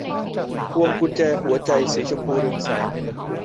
พวงกุญแจหัวใจสีชมพูเรืองแสง